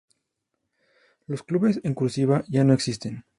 Los clubes en "cursiva" ya no existen.